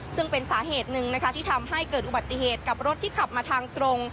ซึ่งเป็นสาเหตุหนึ่งนะคะที่ทำให้เกิดอุบัติเหตุกับรถที่ขับมาทางตรง